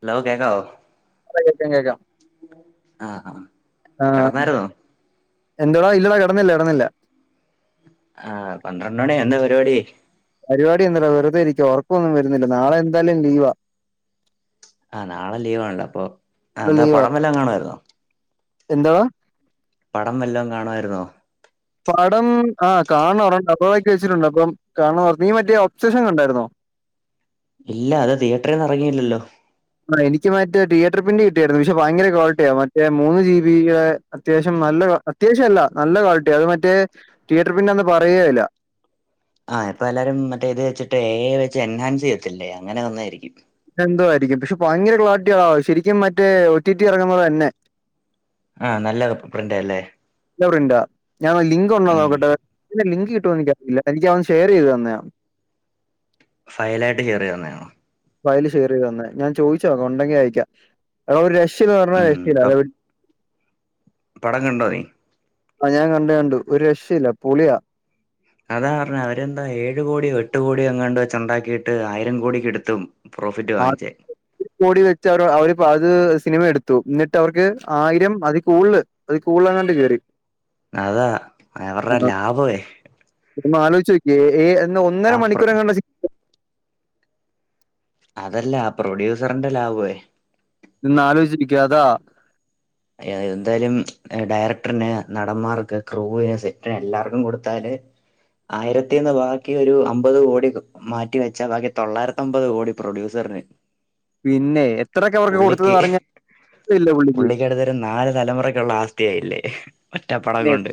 Hello കേക്കാവോ കേക്കാം കേക്കാം ആഹ് ആഹ് കെടന്നായിരുന്നോ എന്തുവാ ഇല്ലട കെടന്നില്ല കെടന്നില്ല ആഹ് പന്ത്രണ്ട് മണി എന്തുവാ പരിപാടി പരിപാടി എന്തുവാട വെറുതെ ഇരിക്കുവ ഉറക്കൊന്നും വരുന്നില്ല നാളെ എന്തായാലും ലീവാ ആഹ് നാളെ ലീവ് ആണല്ലോ അപ്പൊ എന്താ പടം വല്ലോം കാണുവായിരുന്നോ എന്തോ പടം വല്ലോം കാണുവായിരുന്നോ പടം ആഹ് കാണറണ്ട് അപ്‌ലോഡാക്കി വെച്ചിട്ടുണ്ട് അപ്പം കാണണം നീ മറ്റേ ഒബ്സഷൻ കണ്ടാരുന്നോ ഇല്ല അത് തിയേറ്ററിന്ന് എറങ്ങിയില്ലല്ലോ ആഹ് എനിക്ക് മറ്റേ തിയേറ്റർ പ്രിൻ്റ് കിട്ടിയായിരുന്നു പക്ഷെ ഭയങ്കര ക്വാളിറ്റിയാ മറ്റേ മൂന്ന് ജി ബീടെ അത്യാവശ്യം നല്ല അത്യാവശ്യം അല്ല നല്ല ക്വാളിറ്റിയാ അത് മറ്റേ തിയേറ്റർ പ്രിൻ്റാന്ന് പറയേയില്ല ആഹ് ഇപ്പം എല്ലാരും മറ്റേ ഇത് വെച്ചിട്ട് എ ഐ വെച്ച് എൻഹാൻസ് ചെയ്യത്തില്ലേ അങ്ങനെ വന്നതായിരിക്കും എന്തോവായിരിക്കും പക്ഷെ ഭയങ്കര ക്ലാരിറ്റി ആടാ ശരിക്കും മറ്റേ ഒ റ്റി റ്റി ഇറങ്ങുന്നപോലെതന്നെ ആഹ് നല്ല പ്രിന്റാ അല്ലേ നല്ല പ്രിന്റാ ഞാൻ ആ ലിങ്ക് ഉണ്ടോന്നു ഉം നോക്കട്ടെ ഇതിൻ്റെ ലിങ്ക് കിട്ടോന്ന് എനിക്കറിയത്തില്ല. എനിക്ക് അവൻ ഷെയർ ചെയ്ത് തന്നയാ ഫയലായിട്ട് കേറിവന്നെയാണോ? ഫയല് ഷെയർ ചെയ്ത് തന്നയാ ഞാൻ ചോദിച്ചു നോക്കാം ഉണ്ടെങ്കി അയക്കാം അതൊരു രക്ഷയില്ലെന്ന് പറഞ്ഞാ ഉം രക്ഷയില്ല ഇപ്പൊ അത്‌ പടം കണ്ടോ നീ? ആഹ് ഞാൻ കണ്ട് കണ്ട് ഒരു രക്ഷയില്ല പൊളിയാ അതാ പറഞ്ഞെ അവരെന്താ ഏഴു കോടിയോ എട്ട് കോടിയോ അങ്ങാണ്ട് വെച്ച് ഉണ്ടാക്കിയിട്ട് ആയിരം കോടിക്കെടുത്തും പ്രോഫിറ്റ് വാങ്ങിച്ചേ കോടി വെച്ച് അവർ അവര് അത് സിനിമ എടുത്തു എന്നിട്ട് അവർക്ക് ആയിരം അതി കൂടുതല് അതി കൂടുതലെങ്ങാണ്ട് കേറി അതാ അവർടെ ലാഭവേ ഒന്ന് ആലോചിച്ചു നോക്കിയേ എഹ് എന്ന ഒന്നര ആ പ്ര മണിക്കൂറങ്ങാണ്ടാ സി അതല്ല ആ പ്രൊഡ്യൂസറിന്റെ ലാഭവേ ഇരുന്ന് ആലോചിച്ചിരിക്കും അതാ അയെ എന്തായാലും ഡയറക്ടറിന് നടന്മാർക്ക് ക്രൂവിന് സെറ്റിന് എല്ലാർക്കും കൊടുത്താല് ആയിരത്തീന്ന് ബാക്കി ഒരു അമ്പത് കോടി മാറ്റിവെച്ചാ ബാക്കി തൊള്ളായിരത്തമ്പത് കോടി പ്രൊഡ്യൂസറിന് പിന്നെ എത്രയൊക്കെ അവർക്ക് കൊടുത്തന്ന് പറഞ്ഞാ പുള്ളിക്കടുത്ത് ഒരു നാല് തലമുറക്കുള്ള ആസ്തിയായില്ലേ ഒറ്റപ്പടം പിന്നെ കൊണ്ട്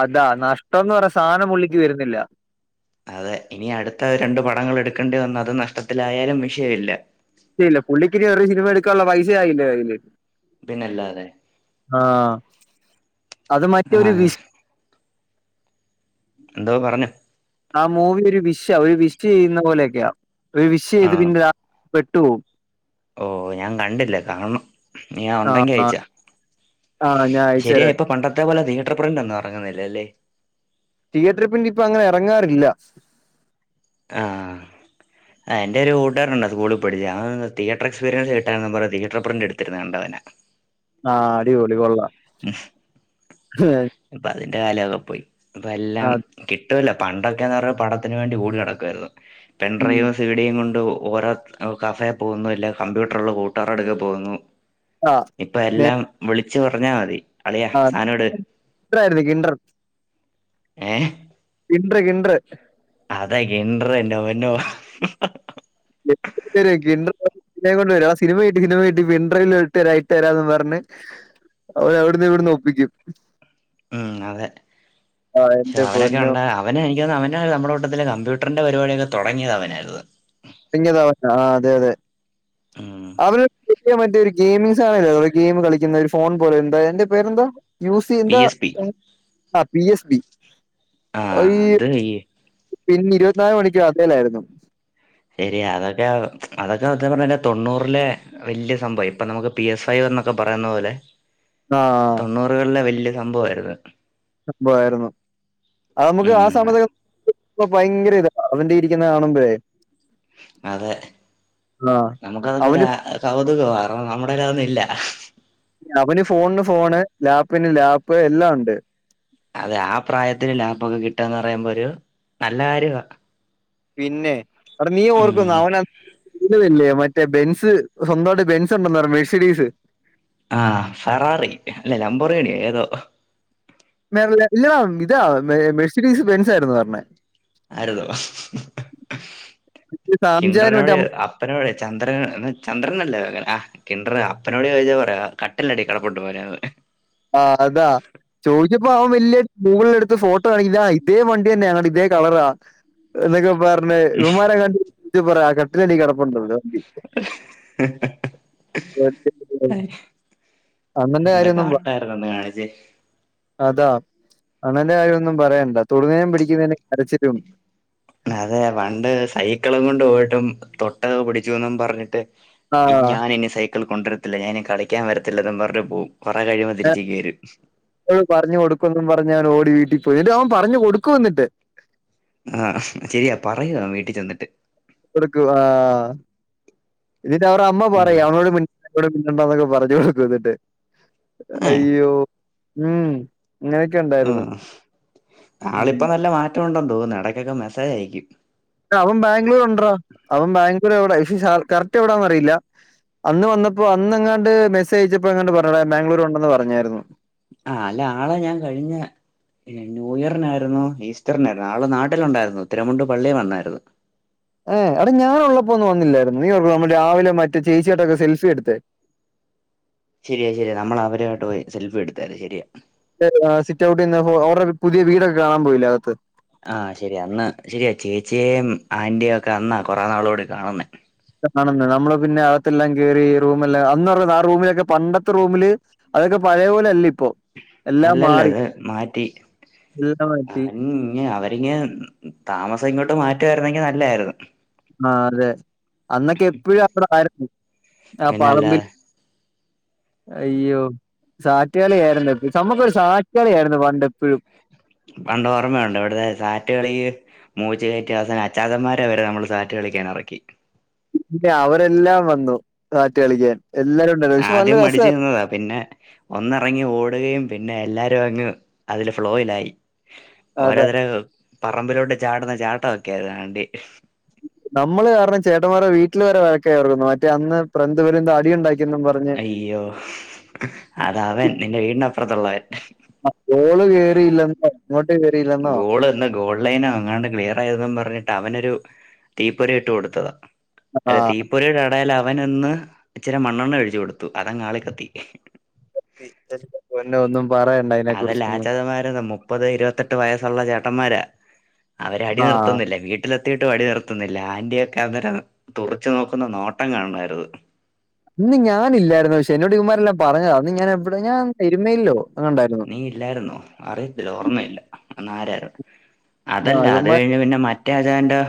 അതാ നഷ്ട്ടന്ന് പറഞ്ഞ സാധനം പുള്ളിക്ക് വരുന്നില്ല അതെ ഇനി അടുത്ത രണ്ടു പടങ്ങൾ എടുക്കേണ്ടി വന്നു അത് നഷ്ടത്തിലായാലും വിഷയല്ല യില്ല പുള്ളിക്ക് വേറെ സിനിമ എടുക്കാനുള്ള പൈസ ആയില്ലേ അതില് പിന്നല്ലാതെ ആഹ് അത് മറ്റൊരു ആഹ് വിസ് എന്തോ പറഞ്ഞു ആ മൂവി ഒരു വിഷ് ഒരു വിഷ് ചെയ്യുന്ന പോലെയൊക്കെയാ ഒരു വിഷ് ചെയ്ത് ആഹ് പിന്നെ അ പെട്ടുപോവും ഓ ഞാൻ കണ്ടില്ല കാണണം നീ ആ ആഹ് ഉണ്ടെങ്കി ആഹ് അയച്ചുതാ ആഹ് ഞാൻ അയച്ചു തരാം അതേപോലെ തിയേറ്റർ പ്രിൻ്റ് ഒന്നും ഇറങ്ങുന്നില്ല അല്ലേ തിയേറ്റർ പ്രിൻ്റ് ഇപ്പൊ അങ്ങനെ ഇറങ്ങാറില്ല ആഹ് ആ എൻ്റെ ഒരു കൂട്ടുകാരൻ ഉണ്ട് സ്കൂളിൽ പഠിച്ച അതന്ന് തിയറ്റർ എക്സ്പീരിയൻസ് കിട്ടാനാന്ന് പറഞ്ഞ് തീയേറ്റർ പ്രിൻ്റെടുത്തിടുന്നത് കണ്ടു അവൻ ആഹ് അടിപൊളി കൊള്ളാം ഇപ്പം അതിന്റെ കാലവൊക്കെ പോയി അപ്പം എല്ലാം ആഹ് കിട്ടൂല്ല പണ്ടൊക്കെയാന്ന് പറഞ്ഞാൽ പടത്തിന് വേണ്ടി ഓടി നടക്കുമായിരുന്നു പെൺ ഉം ഡ്രൈവ് സിഡിയും കൊണ്ട് ഓരോ കഫേ പോകുന്നു അല്ല കമ്പ്യൂട്ടറുള്ള കൂട്ടുകാരുടടുക്കെ പോകുന്നു ആഹ് ഇപ്പൊ നേ എല്ലാം വിളിച്ചു പറഞ്ഞാ മതി അളിയ ആഹ് സാധനമെട് കിണ്ടറായിരുന്നു കിണ്ടർ ഏഹ് കിണ്ടറ് കിണ്ടറ് അതെ ഗിണ്ടറ് നോ നോ [unintelligible] ഗിണ്ടറ് [unintelligible] സിനിമയും കൊണ്ടു വരും ആ സിനിമ കിട്ടി പിൻഡ്രൈവിലിട്ട് ഇട്ട് ഇട്ട്തരാന്ന് പറഞ്ഞ് അവനവിടുന്നും ഇവിടിന്നും ഒപ്പിക്കും ഉം അതെ ആഹ് എന്റെ അവനൊക്കെ പൊന്നോ. ഉണ്ടായാ അവനെ എനിക്ക് തോന്നി അവൻ്റെ നമ്മുടെ കൂട്ടത്തിൽ കമ്പ്യൂട്ടറിന്റെ പരിപാടിയൊക്കെ തുടങ്ങിയത് അവനായിരുന്നു പിന്നതോ ആഹ് അതെ അതെ ഉം അവര്ൻറ്റിയ ഒരു ഗെമി ആണല്ല ഗെയിം കളിക്കുന്ന ഒരു ഫോൺ പോലെ എന്താ എന്റെ പേരെന്താ യൂസ് ചെയ്യന്ത പി എസ് പി ആ പി എസ് ബി ആ അത് ഈ പിന്നെ ഇരുപത്തിനാല് മണിക്ക് അതേലാരുന്നു ശരി അതൊക്കെ അതൊക്കെ സത്യം പറഞ്ഞാ തൊണ്ണൂറിലെ വല്യ സംഭവാ ഇപ്പൊ നമുക്ക് പി എസ് ഐ എന്നൊക്കെ പറയുന്ന പോലെ ആഹ് തൊണ്ണൂറുകളിലെ വല്യ സംഭവാരുന്നു സംഭവാരുന്നു അ നമുക്ക് ആ ഉം സമയത്ത് ഇ ഭയങ്കര ഇതാ അവന്റെ ഇരിക്കുന്ന കാണുമ്പോഴേ അതെ ആഹ് നമുക്ക അതൊക്കെ അവന് കൗതുകം കാരണം നമ്മുടെലദോന്നും ഇല്ല അവന് ഫോണിന് ഫോണ് ലാപ്പിന് ലാപ്പ് എല്ലാം ഉണ്ട് അതെ ആ പ്രായത്തില് ലാപ്പൊക്കെ കിട്ടുകാന്ന് പറയുമ്പോ ഒരു നല്ല കാര്യവാ പിന്നെ അവിടെ നീ ഓർക്കുന്നോ ഉം അവ [unintelligible] മ മറ്റേ ബെൻസ് സ്വന്തമായിട്ട ബെൻസ് ഉണ്ടെന്ന് പറ മെർസിഡീസ് ആഹ് ഫറാറി അല്ല ലമ്പോർഗിണിയോ ഏതോ മ ഇല്ല ഇതാ മെസിഡീസ് ബെൻസ് ആരുന്ന് പറഞ്ഞെ ആയിരുന്നോ ഹ് ഹ് ഹ് സാംജാനും എന്റെ കിന്റ്രനൊട് അമ്മ അപ് അപ്പ ചന്ദ്രൻ ചന്ദ്രനല്ലേ വേഗനാ അ കിണ്ടർ അപ്പനോട് ചോദിച്ചാ പറയാ കട്ടിലടി കെടപ്പുണ്ടു മോനേന്ന് ആ അതാ ചോദിച്ചപ്പോ അവൻ വലിയ ഗൂഗിളിൽ എടുത്ത് ഫോട്ടോ കാണിക്കി ഇതാ ഇതേ വണ്ടി തന്നെയ ഇതേ കളറാ എന്നൊക്കെ പറഞ്ഞ് ഇവൻമാരെ കണ്ട് പറ ആ കട്ടിലെടെ കെടപ്പുണ്ടല്ലോ ഹ് ഹഹ [unintelligible] ഒന്ന് കാണിച്ചേ അതാ അണ്ണന്റെ കാര്യൊന്നും പറയണ്ട തൊടുന്നേനും പിടിക്കുന്നതിനും കരച്ചിലും അതെ പണ്ട് സൈക്കിളും കൊണ്ട് പോയിട്ടും തൊട്ട് പിടിച്ചുന്നും പറഞ്ഞിട്ട് ആ ഈ ഞാനിനി സൈക്കിൾ കൊണ്ടുവരത്തില്ല ഞാന് ഇനി കളിക്കാൻ വരത്തില്ല അതും പറഞ്ഞു പോവും കൊറെ കഴിയുമ്പോ തിരിചിങ്ങ് വരും പറഞ്ഞ് കൊടുക്കെന്നും പറഞ്ഞ് അവൻ ഓടി വീട്ടിൽ പോയിട്ട് അവൻ പറഞ്ഞു കൊടുക്കും എന്നിട്ട് ആഹ് ശരിയാ പറയൂം അവൻ വീട്ടിൽ ചെന്നിട്ട് കൊടുക്കും ആ എന്നിട്ട് അവർട അമ്മ ഉം പറയും അവനോട് ടെ മിണ്ടണ്ടാന്നൊക്കെ പറഞ്ഞു കൊടുക്കും എന്നിട്ട് ഏഹ് അയ്യോ ഉം അങ്ങനെയൊക്കെ ആ ഉണ്ടായിരുന്നു ഉം. ആളിപ്പ നല്ല മാറ്റംണ്ടെന്ന് തോന്നുന്നു ഇടക്കൊക്കെ മെസ്സേജ് അയക്കും അവൻ ബാംഗ്ലൂരുണ്ട്രോ അവൻ ബാംഗ്ലൂർ എവിടൊ പക്ഷ കറക്റ്റ് എവിടാന്നറിയില്ല അന്ന് വന്നപ്പോ അന്ന് എങ്ങാണ്ട് മസ്സേജ്യച്ചപ്പോ എങ്ങാണ്ട് പറഞ്ഞ് ബാംഗ്ലൂർ ഉണ്ടെന്ന് പറഞ്ഞായിരുന്നു ആ അല്ല ആളെ ഞാൻ കഴിഞ്ഞ ഇല്ല ന്യൂയറിനായിരുന്നു ഈസ്റ്ററിനായിരുന്നു ആൾ നാട്ടിലുണ്ടായിരുന്നു ഉത്തരണ്ട് പള്ളി വന്നായിരുന്നു ഏഹ് അട ഞാനുള്ളപ്പോ ഒന്ന് വന്നില്ലായിരുന്നു നീ ഓർക്കുന്നോ നമ്മൾ രാവിലെ മറ്റേച്ചിയേട്ടൊക്കെ സെൽഫി എടുത്ത ശരിയ ശരിയാ നമ്മള് അവരുമായിട്ട് പോയി സെൽഫി എടുത്താരുന്ന് ശരിയാ സിറ്റ് ഔട്ട് നിന്നപ്പോ അവർടെ പുതിയ വീടൊക്കെ കാണാൻ പോയില്ലെ അകത്ത് ആഹ് ശരി അന്ന് ശരിയാ ചേച്ചിയേം ആന്റിയേം ഒക്കെ അന്നാ കുറെ നാള് കൂടി കാണുന്നേ കാണുന്ന നമ്മള് പിന്നെ അകത്തെല്ലാം കേറി റൂമെല്ലാം അന്നറ ആ റൂമിലൊക്കെ പണ്ടത്തെ റൂമില് അതൊക്കെ പഴയ പോലല്ല ഇപ്പൊ എല്ലാം അല്ലല്ല മാറി അത് മാറ്റി എല്ലാം മാറ്റി അവൻ [unintelligible] ഇഞ്ഞ് താമസം ഇങ്ങോട്ട് മാറ്റുവാരുന്നെങ്കിൽ നല്ലാരുന്നു ആ അതെ അന്നൊക്കെ എപ്പഴും അവിടെ ആരുന്നു ആ പിന്നല്ലാ പറമ്പിൽ [unintelligible] അയ്യോ സാറ്റ്കളിയായിരുന്ന നമുക്കൊരു സാറ്റ്കളിയാരുന്നു പണ്ട് എപ്പോഴും പണ്ട് ഓർമ്മയുണ്ട് ഇവിട്ത്തെ സാറ്റ് കളി മൂച്ച കേറ്റി അവസാനം അച്ചാച്ചന്മാരെവരെ നമ്മള് സാറ്റ് കളിക്കാൻ ഇറക്കി പിന്നെ അവരെല്ലാം വന്നു സാറ്റ് കളിക്കാൻ എല്ലാരും ഉണ്ടായിരുന്നു പക്ഷെ ആദ്യം നല്ല മടിച്ചു രസമായിരുന്നു നിന്നതാ പിന്നെ ഒന്നിറങ്ങി ഓടുകയും പിന്നെ എല്ലാരും അങ്ങ് അതില് ഫ്ലോയിലായി അതെ ഓരോരുത്തര് പറമ്പിലോട്ട് ചാടുന്ന ചാട്ടവൊക്കൊയാ കാണണ്ടെ നമ്മള് കാരണം ചേട്ടന്മാരെ വീട്ടില് വരെ വയക്കാർന്നു മറ്റേ അന്ന് [unintelligible] അടിയ ഉണ്ടാക്കിയെന്നും പറഞ്ഞു അയ്യോ അതാ അവൻ നിന്റെ വീടിനപ്പുറത്തുള്ളവൻ ആ ബോള് കേയറിയില്ലെന്ന് പറഞ്ഞ് ഗോള് എ ഓൺലൈനോ അങ്ങാണ്ട് ക്ലിയർ ആയതും പറഞ്ഞിട്ട് അവനൊരു തീപ്പൊരി ഇട്ട് കൊടുത്തതാ അല്ല ആഹ് തീപ്പൊരയുടെ അടേൽ അവൻന്ന് ഇച്ചിരി മണ്ണെണ്ണ ഒഴിച്ചു കൊടുത്തു അതാങ്ങ് ആളി കത്തി പിന്ന എൻ്റ പൊന്നോ ഒന്നും പറയണ്ട അതിനെ അതെല്ലേ കുറിച്ചൊന്നും [unintelligible] മുപ്പത് ഇരുപത്തെട്ട് വയസ്സുള്ള ചേട്ടന്മാരാ അവര് അടി ആഹ് നിർത്തുന്നില്ല വീട വീട്ടിലെത്തിയിട്ടും അടി നിർത്തുന്നില്ല ആന്റിയൊക്കെ അന്നേരം തുറിച്ചു നോക്കുന്ന നോട്ടം കാണണമായിരുന്ന് ഇന്ന് ഞാനില്ലായിരുന്നു പക്ഷെ എന്നോട് ഇവമ്മാരെല്ലാം പറഞ്ഞതാ അന്ന് ഞാൻ എവിടെ ഞാൻ എരുമേലിലൊ നീ ഇല്ലായിരുന്നോ അറിയത്തില്ല ഓർമ്മയില്ല അന്നാരാരുന്നു അതല്ല ആഹ് അത് ഇവന്മാർ കഴിഞ്ഞ് പിന്നെ മറ്റ പ രാജാന്റെ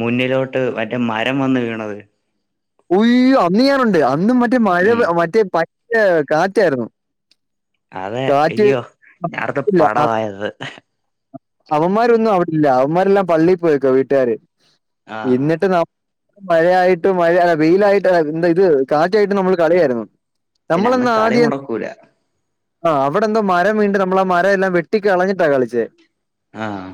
മുന്നിലോട്ട് മറ്റേ മരം വന്ന് വീണത് ഒയ്യോ അന്ന് ഞാനുണ്ട് അന്നും മറ്റേ മഴ ഉം മറ്റേ പറ്റ കാറ്റായിരുന്നു അതെ കാറ്റ് അയ്യോ ഞാനൊക്കെ ഇല്ല പടവായി അന്ന് അവന്മാരൊന്നും അറിഞ്ഞില്ല അവന്മാരെല്ലാം പള്ളി പോയേക്കുവ വീട്ടുകാര് ആഹ് എന്നിട്ട് ന മഴയായിട്ടും മഴ അല്ല വെയിലായിട്ട് എന്താ ഇത് കാറ്റായിട്ടും നമ്മള് കളിയാരുന്നു പിന്നെ അന്ന് നമ്മളന്ന് കളി ആദ്യം മുടക്കൂല ആഹ് അവിടെന്തോ മരം വീണ്ടണ്ട് നമ്മള് ആഹ് മരം എല്ലാം വെട്ടിക്ക് കളഞ്ഞിട്ടാ കളിച്ചേ ആഹ്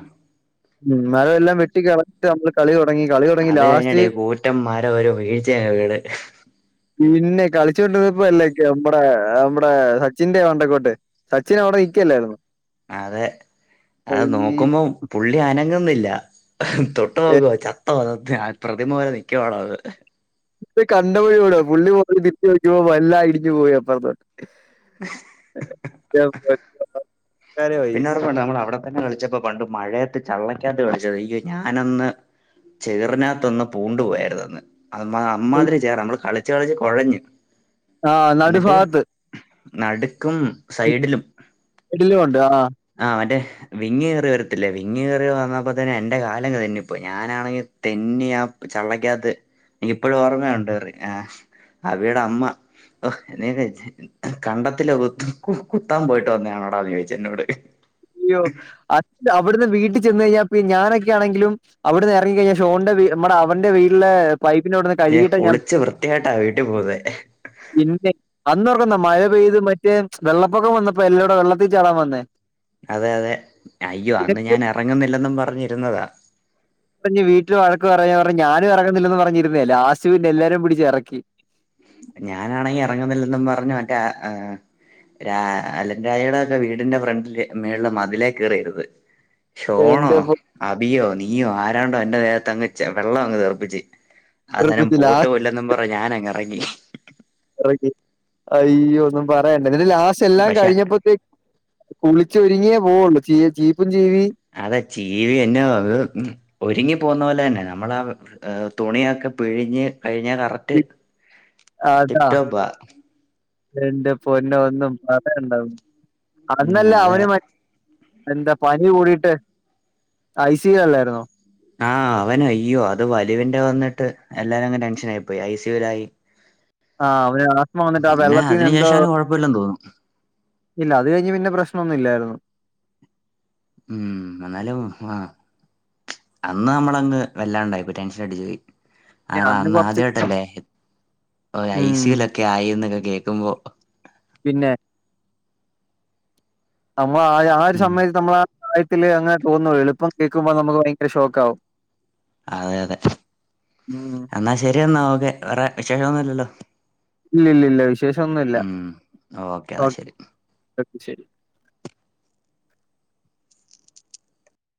ഉം മഴമെല്ലാം വെട്ടി കള് നമ്മള് കളി തുടങ്ങി കളി തുടങ്ങി അത് കഴിഞ്ഞ ലാസ്റ്റ് ടെ ഈ കൂറ്റന്മാരെ ഒരു വീഴ്ചയങ്ങ് വീണ് പിന്നെ കളിച്ചോണ്ടിക്കുന്നപ്പ അല്ലേ നമ്മടെ നമ്മടെ സച്ചിന്റെ മണ്ടക്കോട്ട് സച്ചിൻ അവിടെ നിക്കല്ലായിരുന്നു അതെ അത് ഈ നോക്കുമ്പോം പുള്ളി ആനങ്ങൊന്നില്ല തൊട്ട് നോക്കുവോ ചത്തോ അഹ് ഞാൻ പ്രതിമ പോലെ നിക്കവാണോ അത് ഈ കണ്ടപ്പോഴടാ പുള്ളി പോയി തിരി വെക്ക പോ എല്ലാം അടിഞ്ഞു പോയിപ്പറന്നോട്ട് [inaudible] പിന്നെ ഓപ്പുണ്ട് നമ്മൾ അവിടെത്തന്നെ കളിച്ചപ്പോ പണ്ട മഴയത്ത് ചള്ളയ്ക്കകത്ത് കളിച്ചത് ഈ ഞാനന്ന് ചേറിനകത്തൊന്ന് പൂണ്ടു പോയായിരുന്ന് അന്ന് അഹ് അമ്മാതിരി ചേരാ നമ്മള് കളിച്ചു കളിച്ചു കുഴഞ്ഞു ആ എന്നിട്ട് നടുഭാഗത്ത് നടുക്കും സൈഡിലും എടലും ഉണ്ട് ആഹ് ആഹ് മറ്റേ വിങ്ങ് കേറി വരത്തില്ലേ വിങ്ങ് കയറി വന്നപ്പോ തന്നെ എന്റെ കാല് അങ്ങ് തെന്നി പോയി ഞാനാണെങ്കിൽ തെന്നിയാ ചള്ളയ്ക്കകത്ത് എനിക്ക് ഇപ്പോഴും ഓർമ്മയുണ്ട് ആഹ് അവിയടെ അമ്മ നീ കണ്ടത്തി കു കുത്താൻ പോയിട്ട് വന്നതണോടാ അത് ചോദിച്ച എന്നോട് അയ്യോ അഹ് അവിടുന്ന് വീട്ടിൽ ചെന്ന് കഴിഞ്ഞാൽ ഞാനൊക്കെ ആണെങ്കിലും അവിടെ നേറങ്ങി കഴിഞ്ഞാ ഷോന്റെ നമ്മടെ അവന്റെ വീട്ടില് പൈപ്പിന ഇവിടുന്ന് ഏഹ് കുളിച്ച് വൃത്തിയായിട്ട ആഹ് വീട്ട് പോന്നേ പിന്നെ അന്ന് ഉറക്കന്നാ മഴ പെയ്ത് മറ്റേ വെള്ളപ്പൊക്കം വന്നപ്പോ എല്ലടെ വെള്ളത്തിൽക്ക് ചാടാൻ വന്നേ അതെ അതെ അയ്യോ അന്ന് ഇതൊക്കെ ഞാൻ ഇറങ്ങുന്നില്ലെന്നും പറഞ്ഞിരുന്നതാ പറഞ്ഞ് വീട്ട വഴക്ക പറഞ്ഞ പറഞ്ഞ് ഞാനും ഇറങ്ങുന്നില്ലന്ന് പറഞ്ഞിരുന്നേല്ലേ ആശുവിന്നെ എല്ലാരും പിടിച്ച് ഇറക്കി ഞാനാണെങ്കിൽ ഇറങ്ങുന്നില്ലെന്നും പറഞ്ഞു മറ്റേ ആഹ് രാ അലൻരായയുടെ ഒക്കെ വീടിന്റെ ഫ്രണ്ടില് മേളില് മതിലേ കയറിയിരന്ന്. ഷോണോ എന്റെ അബിയോ നീയോ ആരാണ്ടോ എന്റെ ദേഹത്ത് അങ്ങ് വെള്ളം അങ്ങ് തെറിപ്പിച്ച്. അന്നേരം പൊന്നൂറുപ്പിച്ച് പോട്ട് ലാസ്റ്റ് പോല്ലെന്നും പറഞ്ഞ് ഞാനങ്ങ ഇറങ്ങി. അയ്യോ ഒന്നും പറയണ്ട നിന്റെ ലാസ്റ്റ് എല്ലാം പക്ഷെ കഴിഞ്ഞപ്പോത്തേക്ക്. കുളിച്ചൊരുങ്ങിയേ പോവൊള്ളൂ ചീ ചീപ്പും ചീവി. അതാ ചീവി എന്നന്നെതൊ വറും. ഒരുങ്ങി പോന്നോലന്ന നമ്മൾ ആഹ് തുണിയൊക്കെ പിഴിഞ്ഞ് കഴിഞ്ഞാ കറക്റ്റ്. [inaudible] ആട്ടാ ടിപ്ടോപ്പാ എന്റെ പൊന്നോ ഒന്നും പറയണ്ടാവും. ഉം അന്നല്ല അതെ അവന് മ എന്താ പനി കൂടിട്ട് ഐ സി അല്ലായിരുന്നോ? ആഹ് അവന അയ്യോ അത് വലിവിന്റെ വന്നിട്ട് എല്ലാരും അങ്ങ് ടെൻഷൻ ആയി പോയി ഐ സിയലായി. ആഹ് അവന് ആസ്മ വന്നിട്ടാ പിന്നെ വെള്ളത്തിന് അതിനു എന്തോ? ശേഷം അവന് കുഴപ്പമില്ലെന്ന് തോന്നുന്നു ഇല്ല അത് കഴിഞ്ഞ് പിന്നെ പ്രശ്നമൊന്നും ഇല്ലായിരുന്നു. ഉം എന്നാലും ആഹ് അന്ന് നമ്മളങ്ങ് വല്ലാണ്ടായി ഇപ്പ ടെൻഷൻ അടിച്ച് പോയി. പിന്നെ ആറ അന്ന് കൊറച്ച് ആദ്യമായിട്ടല്ലേ മ്മ്. ഐസിലൊക്കെ ആയിന്നൊക്കെ കേൾക്കുമ്പോ. പിന്നെ. നമ്മൾ ആഹ് ആയൊരു ഉം സമയത്ത് നമ്മള് ആഹ് [unintelligible] ഇപ്പം കേൾക്കുമ്പോ നല്ല ഷോക്കാവും. അതെ അതെ മ്മ്. എന്നാൽ ശരി എന്നാ ഓക്കെ വേറെ വിശേഷൊന്നുല്ലല്ലോ. ഇല്ല ഇല്ലല്ല വിശേഷശോന്നുല്ല ഓക്കെ എന്നാ ഓഹ് ശരി ശെരി.